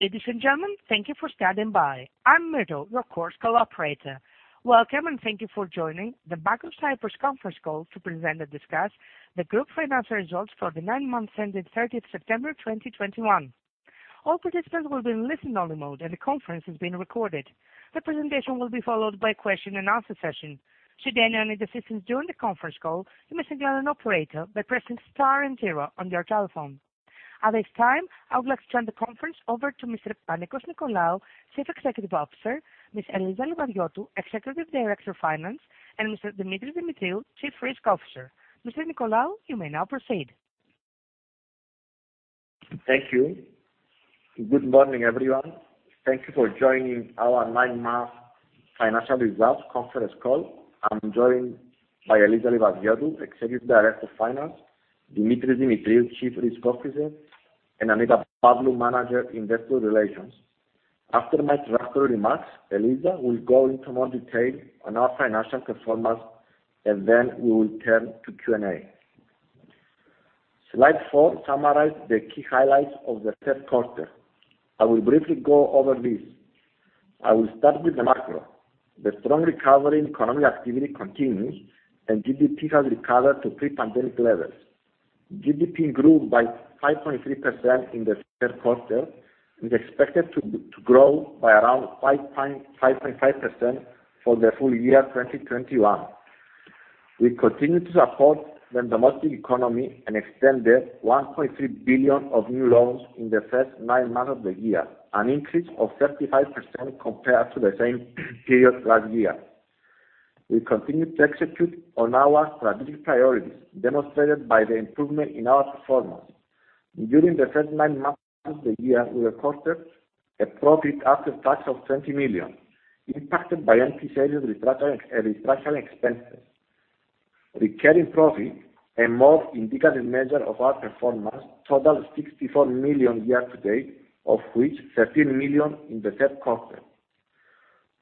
Ladies and gentlemen, thank you for standing by. I'm Myrtle, your Chorus Call operator. Welcome, and thank you for joining the Bank of Cyprus conference call to present and discuss the group financial results for the nine months ending 13th September 2021. All participants will be in listen-only mode, and the conference is being recorded. The presentation will be followed by a question and answer session. Should anyone need assistance during the conference call, you may signal an operator by pressing star and zero on your telephone. At this time, I would like to turn the conference over to Mr. Panicos Nicolaou, Chief Executive Officer, Ms. Eliza Livadiotou, Executive Director Finance, and Mr. Demetris Demetriou, Chief Risk Officer. Mr. Nicolaou, you may now proceed. Thank you. Good morning, everyone. Thank you for joining our nine-month financial results conference call. I'm joined by Eliza Livadiotou, Executive Director of Finance, Demetris Demetriou, Chief Risk Officer, and Annita Pavlou, Manager, Investor Relations. After my introductory remarks, Eliza will go into more detail on our financial performance, and then we will turn to Q&A. Slide four summarize the key highlights of the third quarter. I will briefly go over this. I will start with the macro. The strong recovery in economic activity continues, and GDP has recovered to pre-pandemic levels. GDP grew by 5.3% in the third quarter and is expected to grow by around 5.5% for the full year 2021. We continue to support the domestic economy and extended 1.3 billion of new loans in the first nine months of the year, an increase of 35% compared to the same period last year. We continue to execute on our strategic priorities, demonstrated by the improvement in our performance. During the first nine months of the year, we recorded a profit after tax of 20 million, impacted by anticipated regulatory expenses. Recurring profit, a more indicative measure of our performance, totaled 64 million year to date, of which 13 million in the third quarter.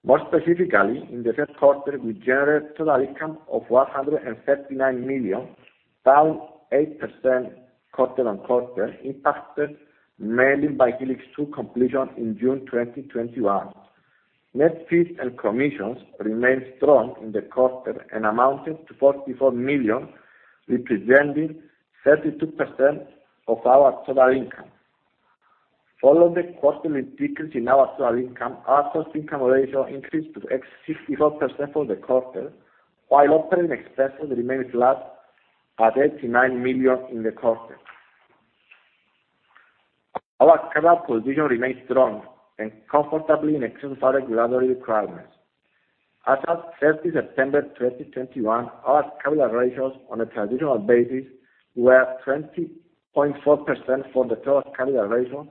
More specifically, in the third quarter, we generated total income of 139 million, down 8% quarter-on-quarter, impacted mainly by Helix 2 completion in June 2021. Net fees and commissions remained strong in the quarter and amounted to 44 million, representing 32% of our total income. Following the quarterly decrease in our total income, our cost income ratio increased to 64% for the quarter, while operating expenses remained flat at EUR 89 million in the quarter. Our capital position remains strong and comfortably in excess of regulatory requirements. As of 30 September 2021, our capital ratios on a traditional basis were 20.4% for the total capital ratio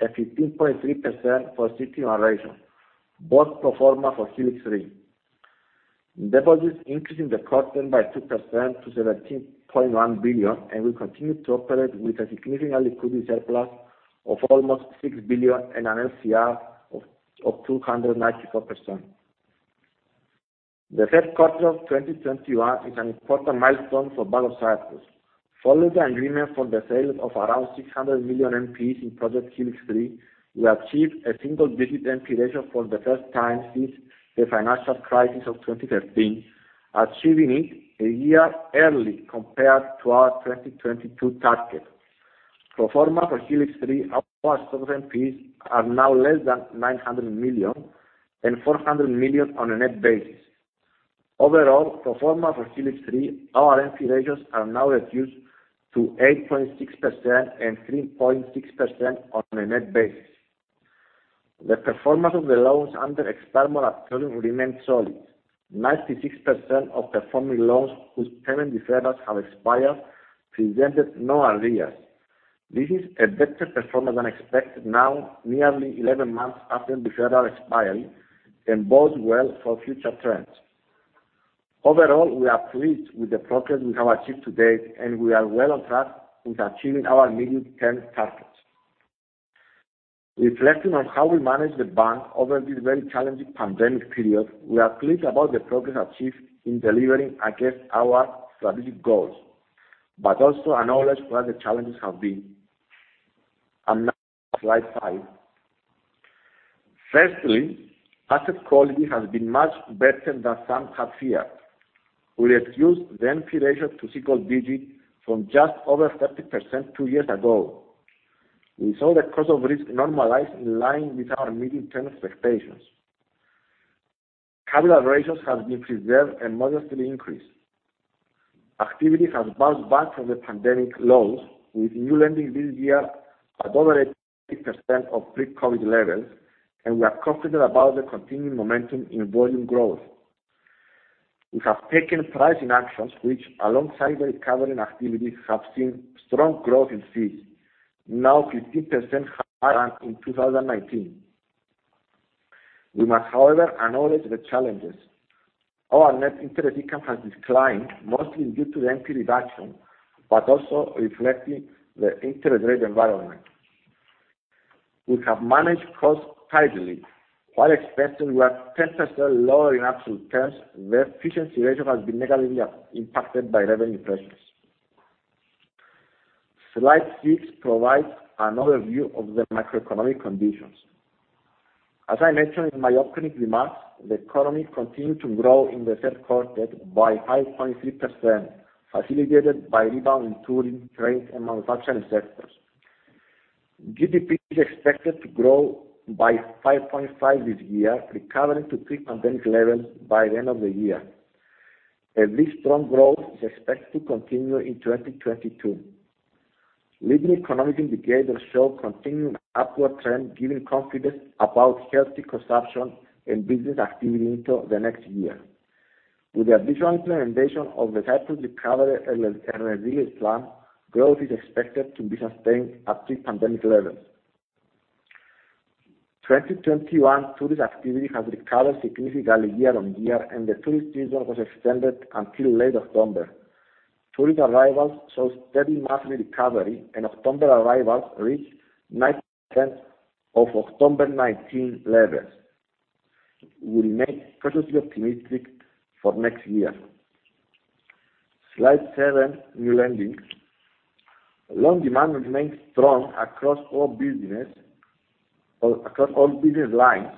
and 15.3% for CET1 ratio, both pro forma for Helix 3. Deposits increased in the quarter by 2% to 17.1 billion, and we continue to operate with a significant liquidity surplus of almost 6 billion and an LCR of 294%. The third quarter of 2021 is an important milestone for Bank of Cyprus. Following the agreement for the sale of around 600 million NPE in project Helix 3, we achieved a single-digit NPE ratio for the first time since the financial crisis of 2013, achieving it a year early compared to our 2022 target. Pro forma for Helix 3, our total NPE are now less than 900 million and 400 million on a net basis. Overall, pro forma for Helix 3, our NPE ratios are now reduced to 8.6% and 3.6% on a net basis. The performance of the loans under experimental accounting remained solid. 96% of performing loans whose payment deferrals have expired presented no arrears. This is a better performance than expected now, nearly 11 months after deferral expiry, and bodes well for future trends. Overall, we are pleased with the progress we have achieved to date, and we are well on track with achieving our medium-term targets. Reflecting on how we manage the bank over this very challenging pandemic period, we are pleased about the progress achieved in delivering against our strategic goals, but also acknowledge where the challenges have been. Now, slide five. Firstly, asset quality has been much better than some had feared. We reduced the NPE ratio to single digit from just over 30% two years ago. We saw the cost of risk normalize in line with our medium-term expectations. Capital ratios have been preserved and modestly increased. Activity has bounced back from the pandemic lows, with new lending this year at over 80% of pre-COVID levels, and we are confident about the continuing momentum in volume growth. We have taken pricing actions which, alongside the recovery in activity, have seen strong growth in fees, now 15% higher than in 2019. We must, however, acknowledge the challenges. Our net interest income has declined, mostly due to the NPE reduction, but also reflecting the interest rate environment. We have managed costs tightly. While expenses were 10% lower in absolute terms, the efficiency ratio has been negatively impacted by revenue pressures. Slide six provides another view of the macroeconomic conditions. As I mentioned in my opening remarks, the economy continued to grow in the third quarter by 5.3%, facilitated by rebound in tourism, trade, and manufacturing sectors. GDP is expected to grow by 5.5% this year, recovering to pre-pandemic levels by the end of the year. This strong growth is expected to continue in 2022. Leading economic indicators show continuing upward trend, giving confidence about healthy consumption and business activity into the next year. With the additional implementation of the Cyprus Recovery and Resilience Plan, growth is expected to be sustained at pre-pandemic levels. 2021 tourist activity has recovered significantly year-on-year, and the tourist season was extended until late October. Tourist arrivals saw steady monthly recovery, and October arrivals reached 90% of October 2019 levels. We remain cautiously optimistic for next year. Slide seven, new lending. Loan demand remains strong across all business lines,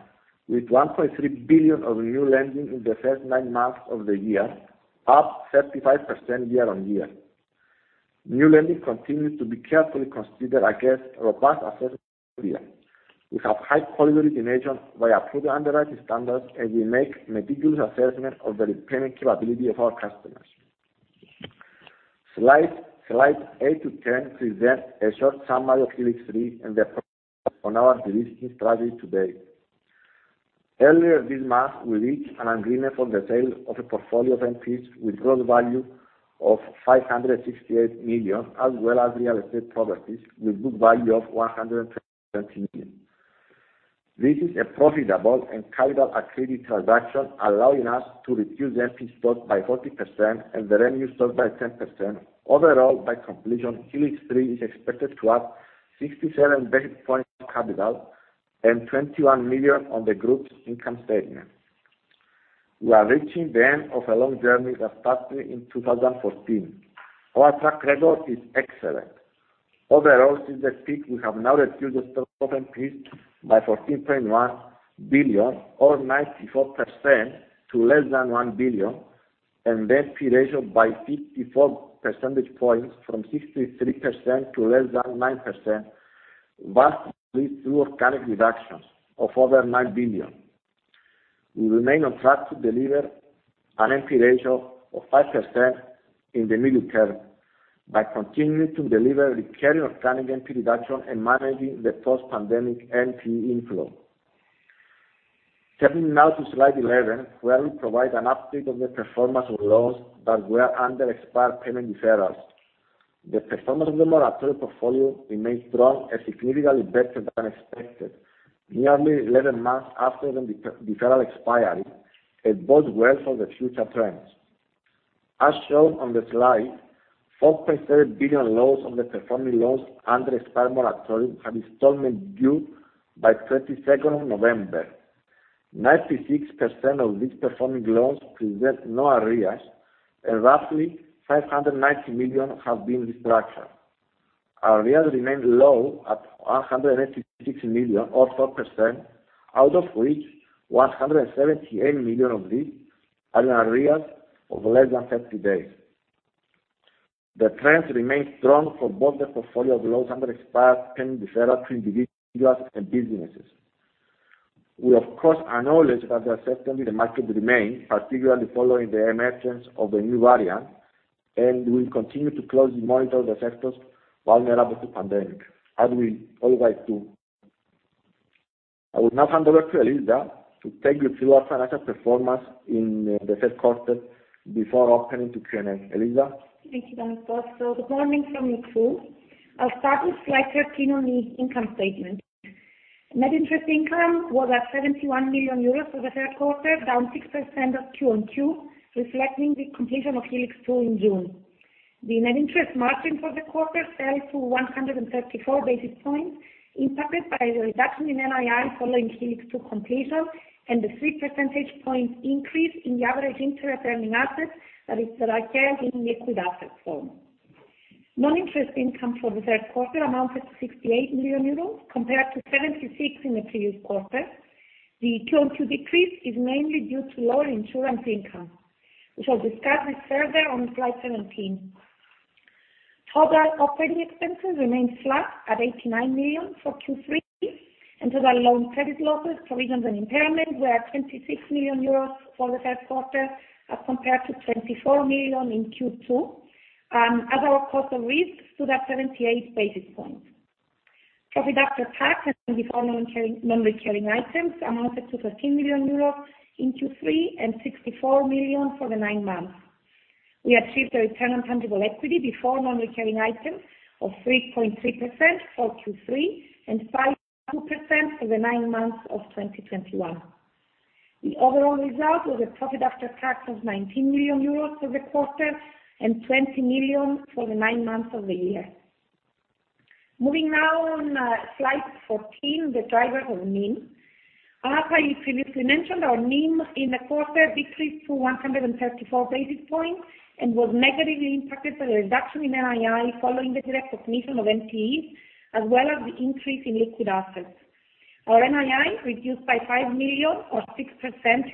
with 1.3 billion of new lending in the first nine months of the year, up 35% year-on-year. New lending continues to be carefully considered against robust assessment criteria. We have high quality origination via prudent underwriting standards, and we make meticulous assessment of the repayment capability of our customers. Slides eight to 10 present a short summary of Helix 3 and the progress on our de-risking strategy to date. Earlier this month, we reached an agreement for the sale of a portfolio of NPEs with gross value of 568 million, as well as real estate properties with book value of 170 million. This is a profitable and capital accretive transaction, allowing us to reduce NPE stock by 40% and the RWA stock by 10%. Overall, by completion, Helix 3 is expected to add 67 basis points of capital and 21 million on the group's income statement. We are reaching the end of a long journey that started in 2014. Our track record is excellent. Overall, since the peak, we have now reduced the stock of NPEs by 14.1 billion or 94% to less than 1 billion, and the NPE ratio by 54 percentage points from 63% to less than 9%, vastly through organic reductions of over 9 billion. We remain on track to deliver an NPE ratio of 5% in the medium term by continuing to deliver recurring organic NPE reduction and managing the post-pandemic NPE inflow. Turning now to slide 11, where we provide an update on the performance of loans that were under expired payment deferrals. The performance of the moratorium portfolio remains strong and significantly better than expected nearly 11 months after the deferral expiry. It bodes well for the future trends. As shown on the slide, 4 billion loans of the performing loans under expired moratorium had installment due by 22nd November. 96% of these performing loans present no arrears, and roughly 590 million have been restructured. Arrears remained low at 186 million or 4%, out of which 178 million of these are in arrears of less than 30 days. The trends remain strong for both the portfolio of loans under expired payment deferral to individuals and businesses. We, of course, acknowledge that the uncertainty in the market remain, particularly following the emergence of the new variant, and we'll continue to closely monitor the sectors vulnerable to pandemic, as we always do. I will now hand over to Eliza Livadiotou to take you through our financial performance in the third quarter before opening to Q&A. Eliza Livadiotou? Thank you, Panicos. Good morning from me, too. I'll start with slide 13 on the income statement. Net interest income was at 71 million euros for the third quarter, down 6% Q-on-Q, reflecting the completion of Helix 2 in June. The net interest margin for the quarter fell to 134 basis points, impacted by the reduction in NII following Helix 2 completion and the 3 percentage points increase in the average interest earning assets that is held in liquid asset form. Non-interest income for the third quarter amounted to 68 million euros compared to 76 in the previous quarter. The Q-on-Q decrease is mainly due to lower insurance income, which I'll discuss further on slide 17. Total operating expenses remained flat at 89 million for Q3, and total loan credit losses, provisions, and impairment were at 26 million euros for the third quarter as compared to 24 million in Q2, and as our cost of risk stood at 78 basis points. Profit after tax and before non-recurring items amounted to 13 million euros in Q3 and 64 million for the nine months. We achieved a return on tangible equity before non-recurring items of 3.3% for Q3 and 5% for the nine months of 2021. The overall result was a profit after tax of 19 million euros for the quarter and 20 million for the nine months of the year. Moving now on, slide 14, the driver of NIM. As I previously mentioned, our NIM in the quarter decreased to 134 basis points and was negatively impacted by the reduction in NII following the direct recognition of NPEs, as well as the increase in liquid assets. Our NII reduced by 5 million or 6%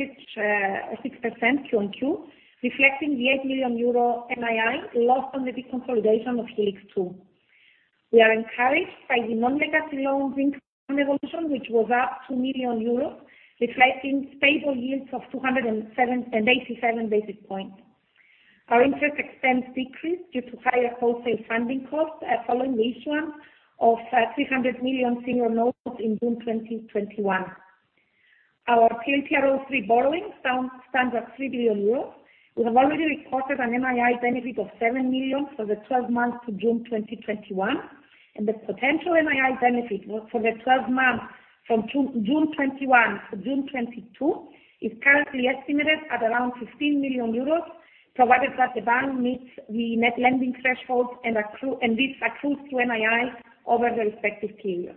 Q-on-Q, reflecting the 8 million euro NII lost on the deconsolidation of Helix 2. We are encouraged by the non-legacy loans income evolution, which was up 2 million euros, reflecting stable yields of 277 basis points. Our interest expense decreased due to higher wholesale funding costs, following the issuance of 300 million senior notes in June 2021. Our TLTRO III borrowing stands at 3 billion euros. We have already recorded an NII benefit of 7 million for the 12 months to June 2021, and the potential NII benefit for the 12 months from June 2021 to June 2022 is currently estimated at around 15 million euros, provided that the bank meets the net lending thresholds and these accrue to NII over the respective period.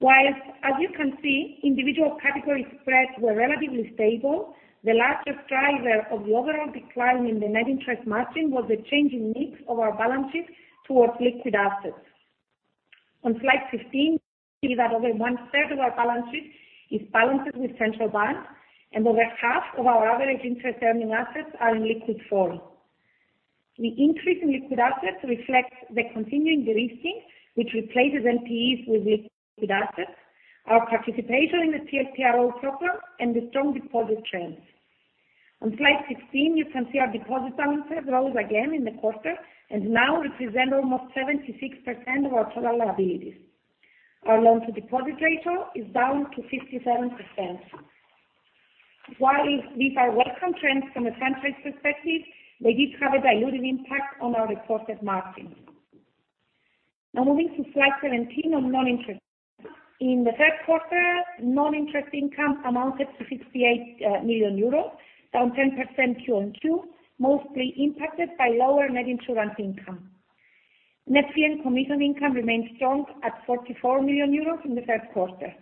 While as you can see, individual category spreads were relatively stable, the largest driver of the overall decline in the net interest margin was the changing mix of our balance sheet towards liquid assets. On slide 15, you see that over one-third of our balance sheet is balanced with central banks and over half of our average interest earning assets are in liquid form. The increase in liquid assets reflects the continuing de-risking, which replaces NPEs with liquid assets, our participation in the TLTRO program, and the strong deposit trends. On slide 16, you can see our deposit balances rose again in the quarter and now represent almost 76% of our total liabilities. Our loan to deposit ratio is down to 57%. While these are welcome trends from a central perspective, they did have a dilutive impact on our reported margin. Now moving to slide 17 on non-interest income. In the third quarter, non-interest income amounted to 68 million euros, down 10% Q-on-Q, mostly impacted by lower net insurance income. Net fee and commission income remained strong at 44 million euros in the third quarter.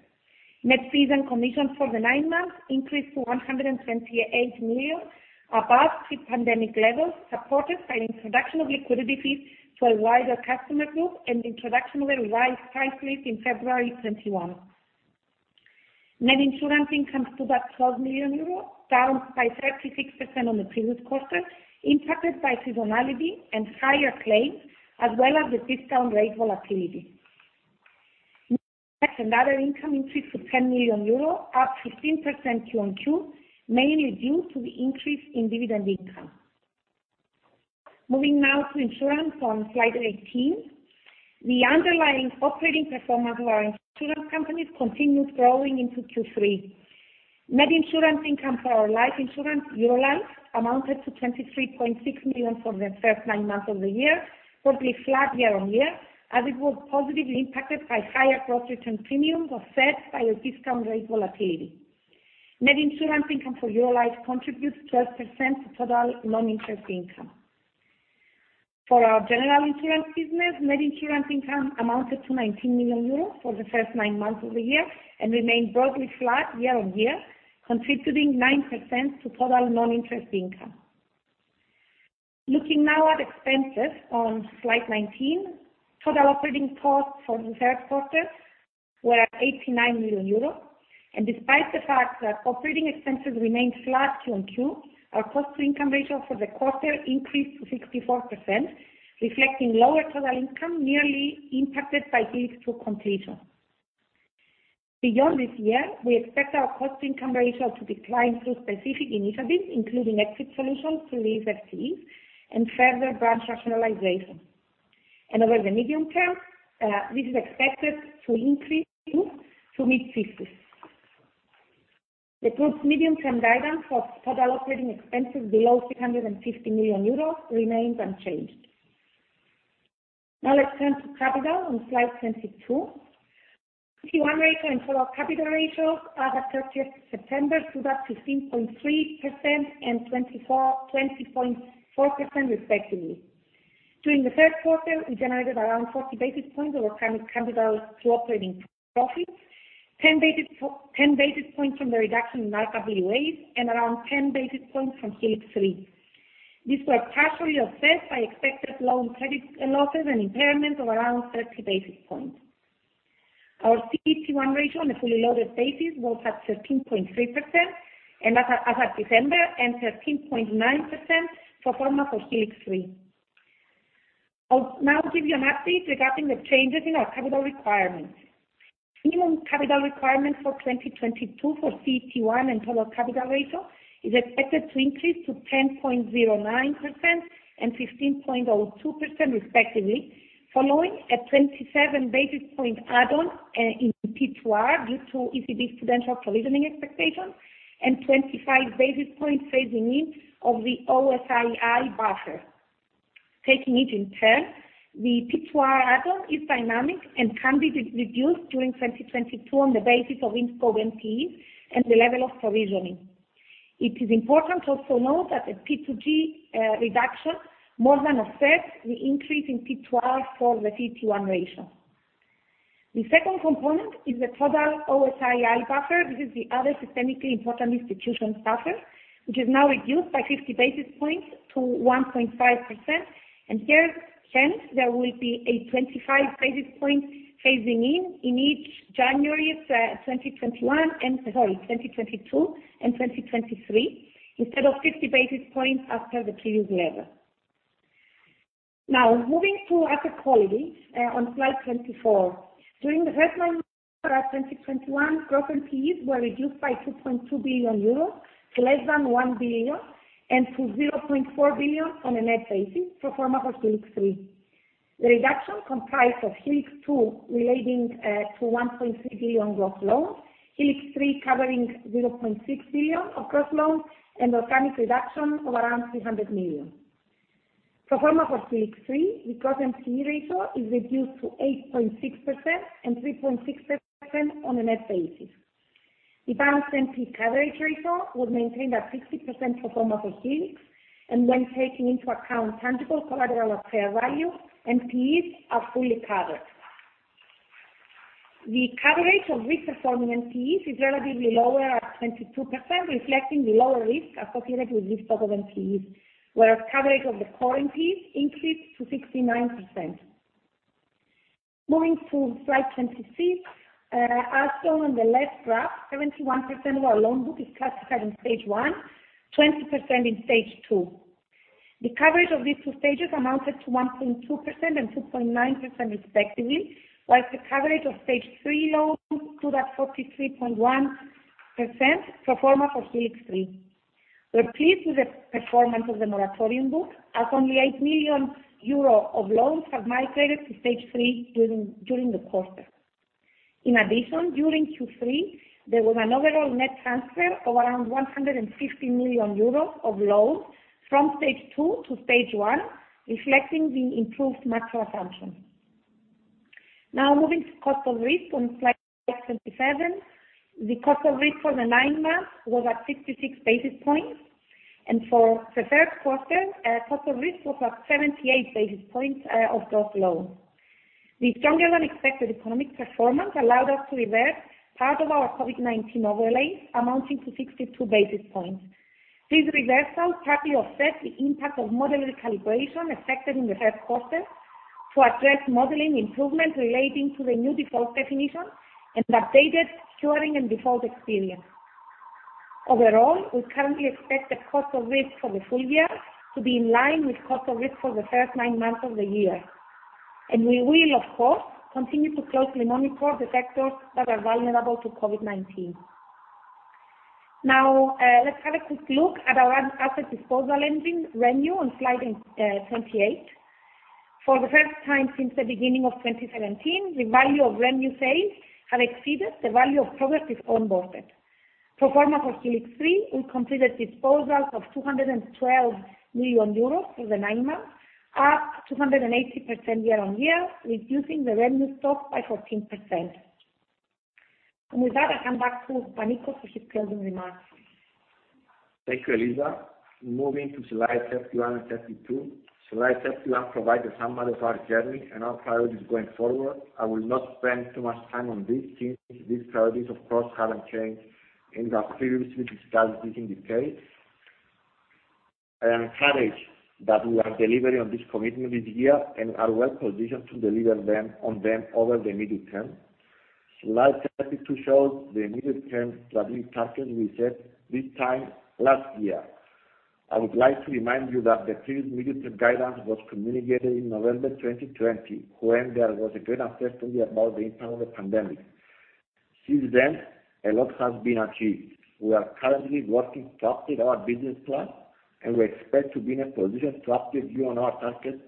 Net fees and commissions for the nine months increased to 128 million, above pre-pandemic levels, supported by the introduction of liquidity fees to a wider customer group and the introduction of a revised price list in February 2021. Net insurance income stood at 12 million euros, down by 36% on the previous quarter, impacted by seasonality and higher claims, as well as the discount rate volatility. Net and other income increased to 10 million euros, up 15% Q-on-Q, mainly due to the increase in dividend income. Moving now to insurance on slide 18. The underlying operating performance of our insurance companies continued growing into Q3. Net insurance income for our life insurance, Eurolife, amounted to 23.6 million for the first nine months of the year, probably flat year-over-year, as it was positively impacted by higher gross written premiums offset by a discount rate volatility. Net insurance income for Eurolife contributes 12% to total non-interest income. For our general insurance business, net insurance income amounted to 19 million euros for the first nine months of the year and remained broadly flat year-over-year, contributing 9% to total non-interest income. Looking now at expenses on slide 19. Total operating costs for the third quarter were 89 million euros. Despite the fact that operating expenses remained flat Q-on-Q, our cost-to-income ratio for the quarter increased to 64%, reflecting lower total income, mainly impacted by Helix Two completion. Beyond this year, we expect our cost-to-income ratio to decline through specific initiatives, including exit solutions to leave FTEs and further branch rationalization. Over the medium term, this is expected to increase to mid-50s. The group's medium-term guidance of total operating expenses below 350 million euros remains unchanged. Now let's turn to capital on slide 22. CET1 ratio and total capital ratios as at 30th September stood at 15.3% and 20.4% respectively. During the third quarter, we generated around 40 basis points of organic capital through operating profits, 10 basis points from the reduction in RWAs, and around 10 basis points from Helix 3. These were partially offset by expected credit losses and impairment of around 30 basis points. Our CET1 ratio on a fully loaded basis was at 13.3%, and as at December, 13.9% pro forma for Helix 3. I'll now give you an update regarding the changes in our capital requirements. Minimum capital requirement for 2022 for CET1 and total capital ratio is expected to increase to 10.09% and 15.02% respectively, following a 27 basis point add-on in P2R due to ECB calendar provisioning expectations and 25 basis points phasing in of the O-SII buffer. Taking it in turn, the P2R add-on is dynamic and can be reduced during 2022 on the basis of in-scope NPEs and the level of provisioning. It is important to also note that the P2G reduction more than offsets the increase in P2R for the CET1 ratio. The second component is the total O-SII buffer. This is the other systemically important institution buffer, which is now reduced by 50 basis points to 1.5%. Here, hence, there will be a 25 basis point phasing in each January of 2021, 2022 and 2023, instead of 50 basis points after the previous level. Now, moving to asset quality, on slide 24. During the first 9 months of 2021, gross NPEs were reduced by 2.2 billion euros to less than 1 billion and to 0.4 billion on a net basis pro forma for Helix 3. The reduction comprised of Helix 2 relating to 1.3 billion gross loans, Helix 3 covering 0.6 billion of gross loans, and organic reduction of around 300 million. Pro forma for Helix 3, the gross NPE ratio is reduced to 8.6% and 3.6% on a net basis. The balanced NPE coverage ratio was maintained at 60% pro forma for Helix, and when taking into account tangible collateral at fair value, NPEs are fully covered. The coverage of risk performing NPEs is relatively lower at 22%, reflecting the lower risk associated with risk performing NPEs, whereas coverage of the core NPEs increased to 69%. Moving to slide 26. As shown on the left graph, 71% of our loan book is classified in stage one, 20% in stage two. The coverage of these two stages amounted to 1.2% and 2.9% respectively, while the coverage of stage three loans stood at 43.1% pro forma for Helix 3. We're pleased with the performance of the moratorium book, as only 8 million euro of loans have migrated to stage three during the quarter. In addition, during Q3, there was an overall net transfer of around 150 million euros of loans from stage two to stage one, reflecting the improved macro assumption. Now moving to cost of risk on slide 27. The cost of risk for the nine months was at 56 basis points, and for the third quarter, cost of risk was at 78 basis points of gross loans. The stronger than expected economic performance allowed us to reverse part of our COVID-19 overlay amounting to 62 basis points. This reversal partly offset the impact of model recalibration affected in the first quarter to address modeling improvement relating to the new default definition and updated curing and default experience. Overall, we currently expect the cost of risk for the full year to be in line with cost of risk for the first nine months of the year. We will, of course, continue to closely monitor the sectors that are vulnerable to COVID-19. Now, let's have a quick look at our asset disposal engine, REMU, on slide 28. For the first time since the beginning of 2017, the value of REMU sales have exceeded the value of properties onboarded. Pro forma for Helix 3, we completed disposals of 212 million euros for the nine months, up 280% year-on-year, reducing the REMU stock by 14%. With that, I hand back to Panicos for his closing remarks. Thank you, Eliza. Moving to slide 31 and 32. Slide 31 provides a summary of our journey and our priorities going forward. I will not spend too much time on these since these priorities, of course, haven't changed and are previously discussed in detail. I am encouraged that we are delivering on this commitment this year and are well positioned to deliver on them over the medium term. Slide 32 shows the medium term strategic targets we set this time last year. I would like to remind you that the previous medium term guidance was communicated in November 2020, when there was a great uncertainty about the impact of the pandemic. Since then, a lot has been achieved. We are currently working to update our business plan, and we expect to be in a position to update you on our targets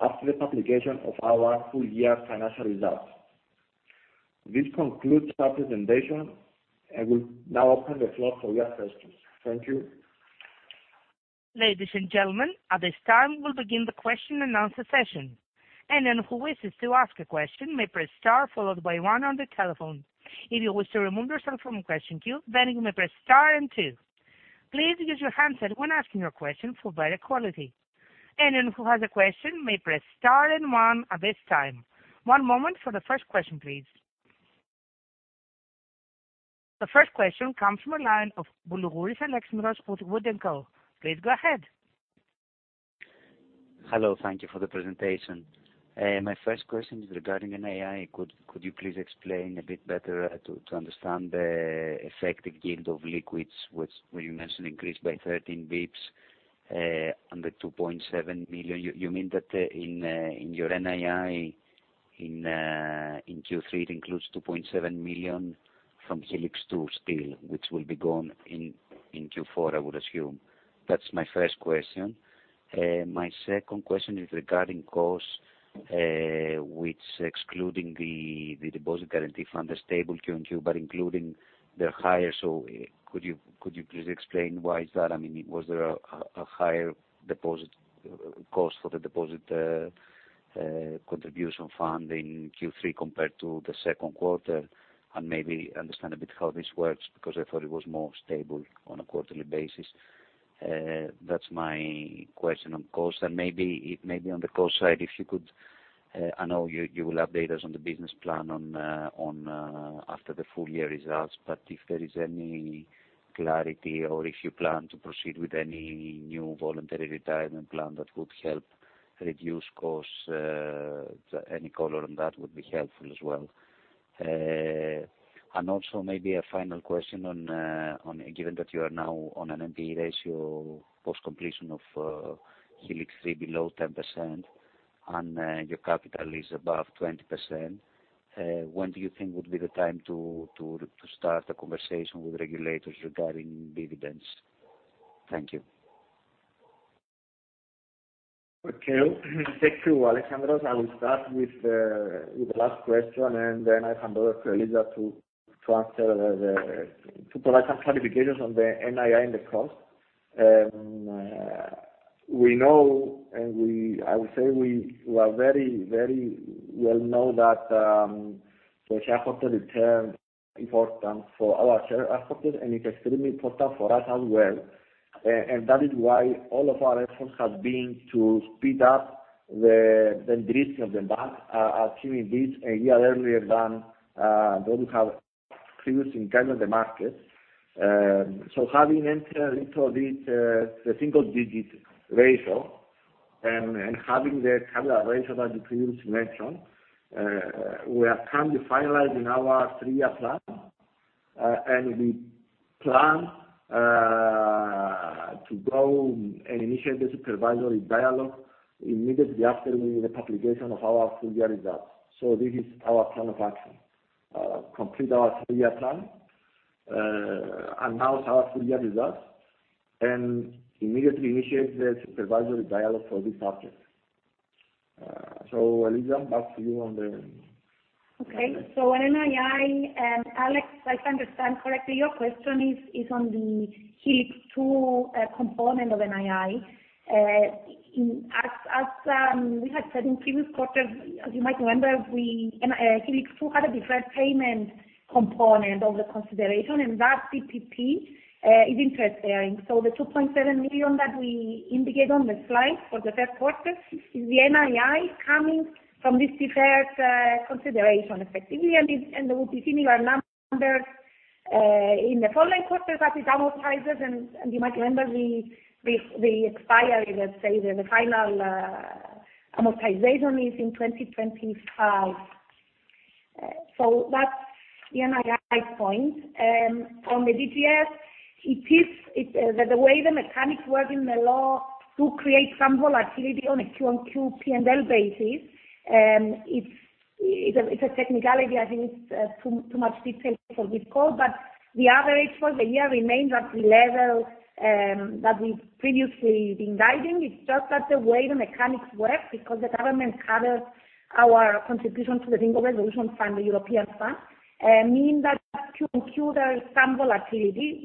after the publication of our full year financial results. This concludes our presentation. I will now open the floor for your questions. Thank you. Ladies and gentlemen, at this time, we'll begin the question and answer session. Anyone who wishes to ask a question may press star followed by one on their telephone. If you wish to remove yourself from question queue, then you may press star and two. Please use your handset when asking your question for better quality. Anyone who has a question may press star and one at this time. One moment for the first question, please. The first question comes from the line of Boulougouris Alexandros from WOOD & Company. Please go ahead. Hello. Thank you for the presentation. My first question is regarding NII. Could you please explain a bit better to understand the effective yield of liquids, which you mentioned increased by 13 bps to under 2.7 million. You mean that in your NII in Q3, it includes 2.7 million from Helix 2 still, which will be gone in Q4, I would assume? That's my first question. My second question is regarding costs, which excluding the deposit guarantee fund are stable Q-on-Q, but including they're higher. So could you please explain why is that? I mean, was there a higher deposit cost for the deposit. The contribution to the fund in Q3 compared to the second quarter, and maybe understand a bit how this works because I thought it was more stable on a quarterly basis. That's my question on cost. Maybe on the cost side, if you could, I know you will update us on the business plan after the full year results, but if there is any clarity or if you plan to proceed with any new voluntary retirement plan that would help reduce costs, any color on that would be helpful as well. Also maybe a final question on, given that you are now on an NPE ratio post completion of Helix 3 below 10% and your capital is above 20%, when do you think would be the time to start a conversation with regulators regarding dividends? Thank you. Okay. Thank you, Alexandros. I will start with the last question, and then I hand over to Eliza to provide some clarifications on the NII and the cost. I would say we are very well aware that the shareholder return important for our shareholders, and it's extremely important for us as well. That is why all of our efforts have been to speed up the de-risking of the bank, achieving this a year earlier than what we have previously signaled to the market. Having entered into the single digit ratio and having the capital ratio that you previously mentioned, we are currently finalizing our three-year plan. We plan to go and initiate the supervisory dialogue immediately after the publication of our full year results. This is our plan of action. Complete our three-year plan, announce our full year results, and immediately initiate the supervisory dialogue for this subject. Eliza, back to you on the- Okay. On NII, Alex, if I understand correctly, your question is on the Helix 2 component of NII. As we had said in previous quarters, as you might remember, in Helix 2 had a deferred payment component of the consideration, and that DPP is interest-bearing. The 2.7 million that we indicate on the slide for the third quarter is the NII coming from this deferred consideration effectively. There will be similar numbers in the following quarters as it amortizes. You might remember the expiry, let's say, the final amortization is in 2025. That's the NII point. On the DTC, it is the way the mechanics work in the law do create some volatility on a Q-on-Q P&L basis. It's a technicality. I think it's too much detail for this call. The average for the year remains at the level that we've previously been guiding. It's just that the way the mechanics work, because the government covers our contribution to the Single Resolution Fund, the European Fund, mean that Q-on-Q there is some volatility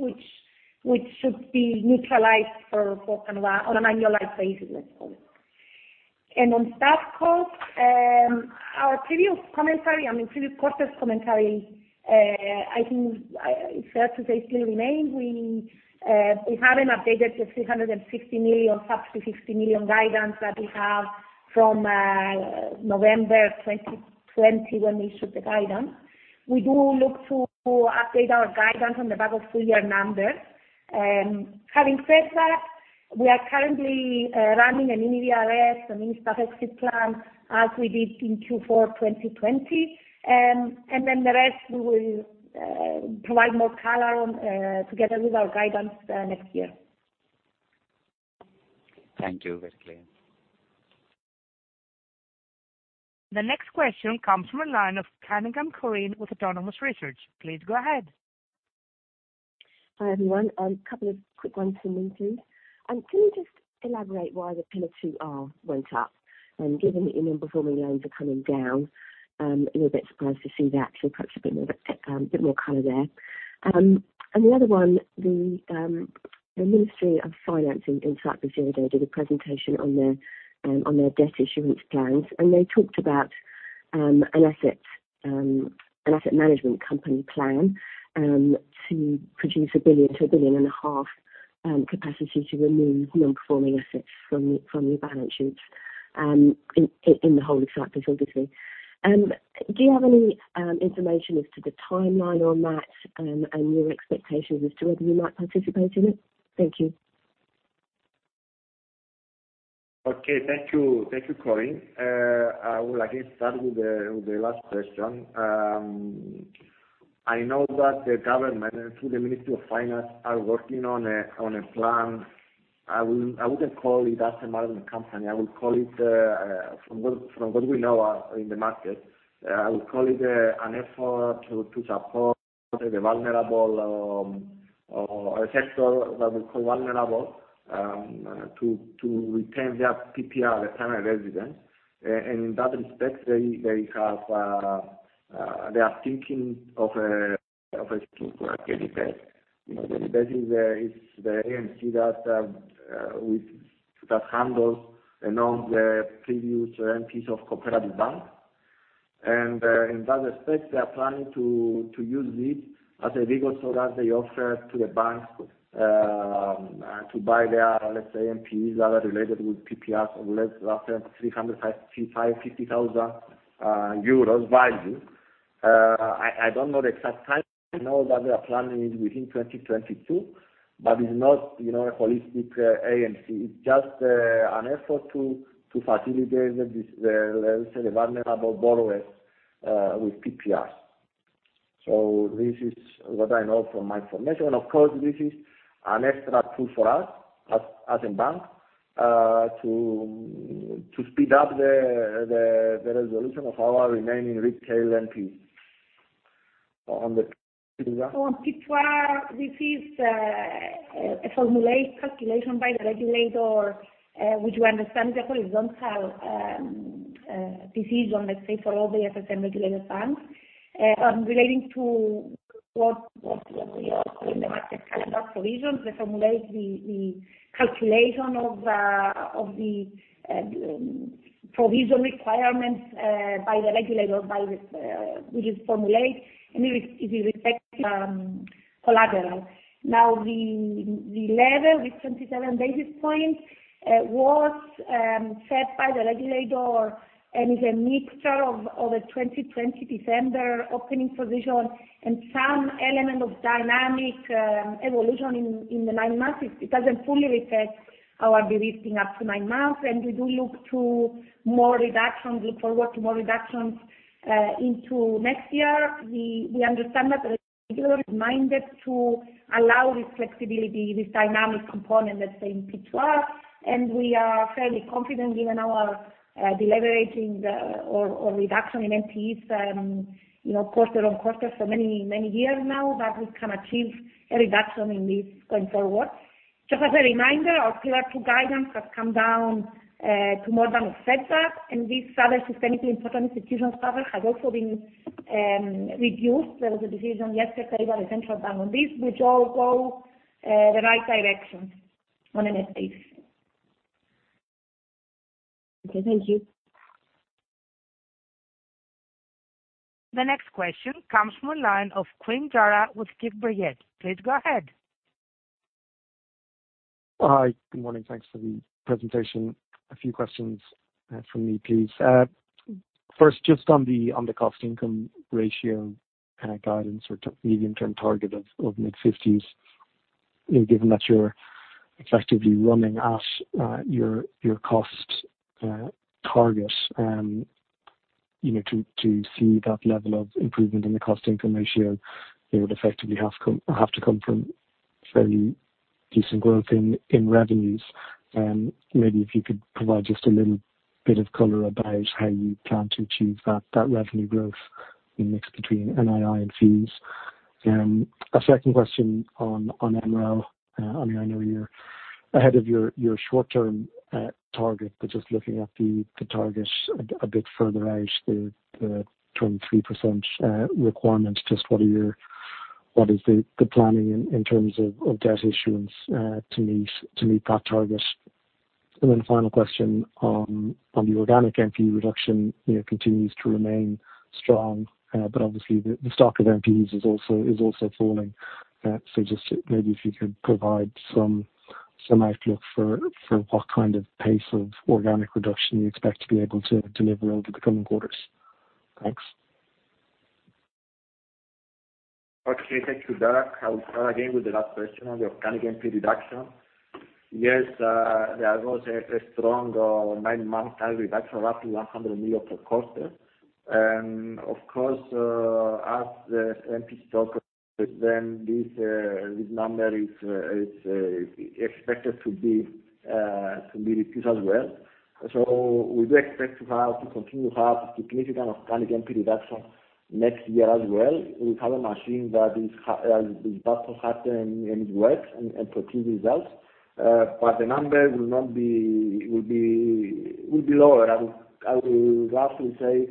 which should be neutralized for kind of a on an annualized basis, let's say. On staff costs, our previous commentary, I mean, previous quarters commentary, I think it's fair to say still remain. We haven't updated the 360 million up to 60 million guidance that we have from November 2020 when we issued the guidance. We do look to update our guidance on the back of full year numbers. Having said that, we are currently running an in-staff exit plan as we did in Q4 2020. The rest we will provide more color on together with our guidance next year. Thank you. Very clear. The next question comes from a line of Corinne Cunningham with Autonomous Research. Please go ahead. Hi, everyone. Couple of quick ones for me, please. Can you just elaborate why the Pillar 2 Requirement went up? Given that your non-performing loans are coming down, I'm a little bit surprised to see that, so perhaps a bit more color there. The other one, the Ministry of Finance in Cyprus the other day did a presentation on their debt issuance plans, and they talked about an asset management company plan to produce 1 billion-1.5 billion capacity to remove non-performing assets from your balance sheets in the whole of Cyprus, obviously. Do you have any information as to the timeline on that, and your expectations as to whether you might participate in it? Thank you. Okay. Thank you. Thank you, Corinne. I will again start with the last question. I know that the government through the Ministry of Finance are working on a plan. I wouldn't call it asset management company. I would call it from what we know out in the market an effort to support the vulnerable or a sector that we call vulnerable to retain their PPR, permanent residence. In that respect, they are thinking of a structure like that. You know, that is, it's the AMC that handles, you know, the previous NPEs of Cyprus Cooperative Bank. In that respect, they are planning to use this as a vehicle so that they offer to the banks to buy their, let's say NPEs that are related with PPRs of less than 350,000 euros value. I don't know the exact timing. I know that they are planning it within 2022, but it's not, you know, a holistic AMC. It's just an effort to facilitate this, the, let's say, the vulnerable borrowers with PPRs. This is what I know from my information. Of course, this is an extra tool for us as a bank to speed up the resolution of our remaining retail NPE. On the PPR Eliza. On PPR, this is formulated calculation by the regulator, which we understand is a horizontal decision, let's say, for all the SSM regulated banks, relating to what we are calling the market calendar provisioning that formulates the calculation of the provision requirements by the regulator, which is formulated and reset with respect to collateral. The level with 27 basis points was set by the regulator and is a mixture of the 2020 December opening provision and some element of dynamic evolution in the nine months. It doesn't fully reflect our de-risking up to nine months, and we look forward to more reductions into next year. We understand that the regulator is minded to allow this flexibility, this dynamic component, let's say, in PPR. We are fairly confident given our reduction in NPEs, you know, quarter-on-quarter for many years now that we can achieve a reduction in this going forward. Just as a reminder, our Pillar 2 Guidance has come down to more than offset that. This other systemically important institution cover has also been reduced. There was a decision yesterday by the central bank on this, which all goes in the right direction on NPEs. Okay, thank you. The next question comes from a line of Daragh Quinn with Keefe Bruyette. Please go ahead. Hi. Good morning. Thanks for the presentation. A few questions from me, please. First, just on the cost income ratio guidance or medium-term target of mid-50s%. You know, given that you're effectively running at your cost target, you know, to see that level of improvement in the cost income ratio, it would effectively have to come from fairly decent growth in revenues. Maybe if you could provide just a little bit of color about how you plan to achieve that revenue growth mix between NII and fees. A second question on MREL. I mean, I know you're ahead of your short-term target, but just looking at the targets a bit further out, the 23% requirements, just what are your... What is the planning in terms of debt issuance to meet that target? Then final question on the organic NPE reduction, you know, continues to remain strong, but obviously the stock of NPEs is also falling. Just maybe if you could provide some outlook for what kind of pace of organic reduction you expect to be able to deliver over the coming quarters. Thanks. Okay. Thank you, Daragh. I'll start again with the last question on the organic NPE reduction. Yes, there was a strong nine-month time reduction, roughly 100 million per quarter. Of course, as the NPE stock, then this number is expected to be reduced as well. We do expect to continue to have a significant organic NPE reduction next year as well. We have a machine that is battle-hardened, and it works and produces results. But the number will be lower. I will roughly say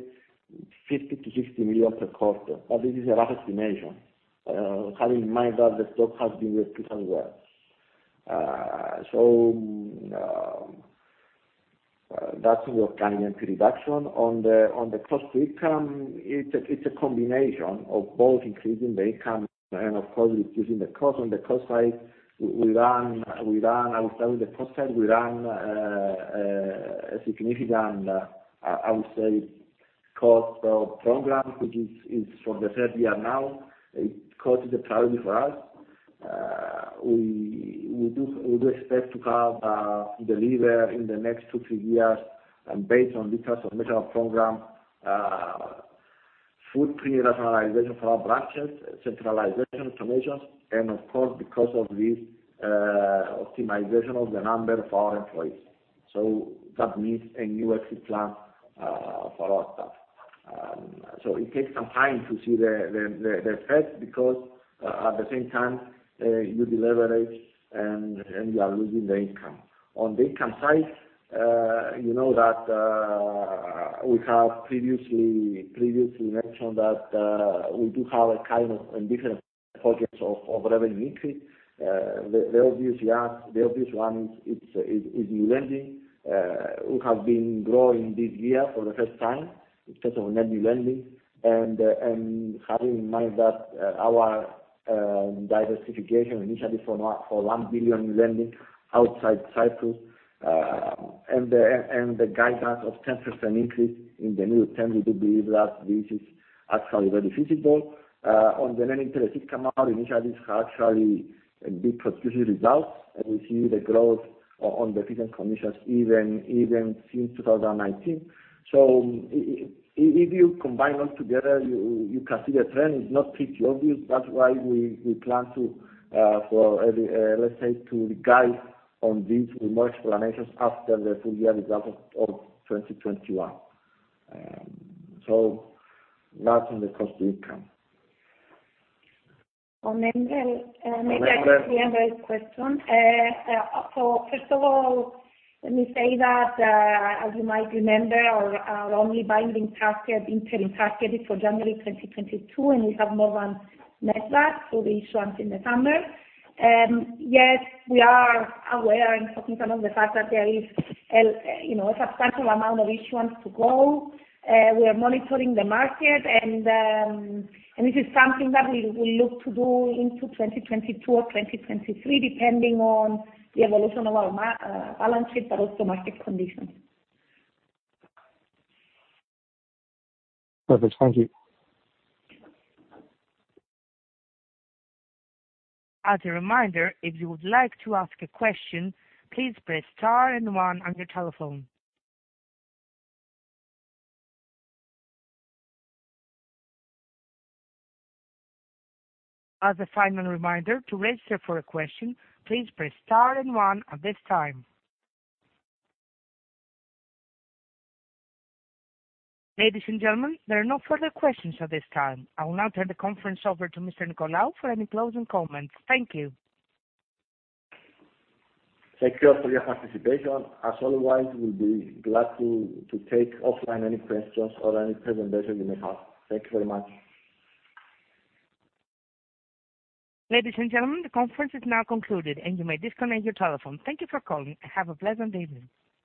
50 million-60 million per quarter, but this is a rough estimation. Have in mind that the stock has been reduced as well. That's the organic NPE reduction. On the cost to income, it's a combination of both increasing the income and of course, reducing the cost. On the cost side, we run a significant cost program, which is for the third year now. Cost is a priority for us. We do expect to deliver in the next two, three years, and based on the cost reduction program, full pre-rationalization for our branches, centralization, automations, and of course, because of this, optimization of the number of our employees. That means a new exit plan for our staff. It takes some time to see the effect because at the same time you de-leverage and you are losing the income. On the income side, you know that we have previously mentioned that we do have a kind of a different focus of revenue increase. The obvious one is new lending, we have been growing this year for the first time in terms of net new lending. Having in mind that our diversification initially for 1 billion new lending outside Cyprus, and the guidance of 10% increase in the new term, we do believe that this is actually very feasible. On the lending interest income, our initiatives have actually been producing results, and we see the growth on the fees and commissions even since 2019. If you combine all together, you can see the trend is not pretty obvious. That's why we plan to, for every, let's say, to guide on this with more explanations after the full year results of 2021. That's on the cost income. Maybe I can answer his question. So first of all, let me say that, as you might remember, our only binding target, interim target is for January 2022, and we have more than met that for the issuance in the summer. Yes, we are aware and focusing on the fact that there is a, you know, a substantial amount of issuance to go. We are monitoring the market and this is something that we look to do into 2022 or 2023, depending on the evolution of our balance sheet, but also market conditions. Perfect. Thank you. As a reminder, if you would like to ask a question, please press star and one on your telephone. As a final reminder, to register for a question, please press star and one at this time. Ladies and gentlemen, there are no further questions at this time. I will now turn the conference over to Mr. Nicolaou for any closing comments. Thank you. Thank you all for your participation. As always, we'll be glad to take offline any questions or any presentation you may have. Thank you very much. Ladies and gentlemen, the conference is now concluded, and you may disconnect your telephone. Thank you for calling, and have a pleasant evening.